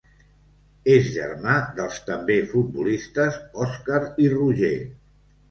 És germà dels també futbolistes Òscar i Roger.